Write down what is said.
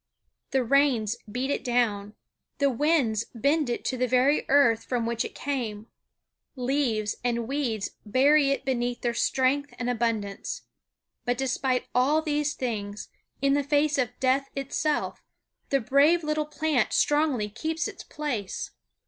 The rains beat it down; the winds bend it to the very earth from which it came; leaves and weeds bury it beneath their strength and abundance, but despite all these things, in the face of death itself, the brave little plant strongly keeps its place.